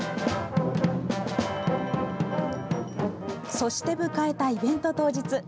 そして迎えたイベント当日。